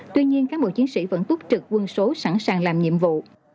tuy nhiên cán bộ chiến sĩ vẫn túc trực quân số sẵn sàng làm nhiệm vụ